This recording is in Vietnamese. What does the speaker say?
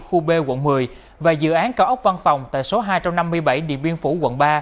khu b quận một mươi và dự án cao ốc văn phòng tại số hai trăm năm mươi bảy địa biên phủ quận ba